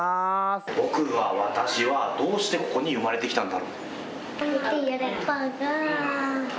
僕は私はどうしてここに生まれてきたの？